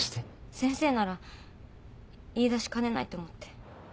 先生なら言いだしかねないと思って。